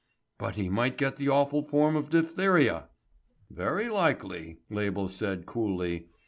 "But he might get the awful form of diphtheria!" "Very likely," Label said coolly.